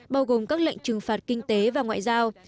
bao gồm các lệnh trừng phạt kinh tế và ngoại giao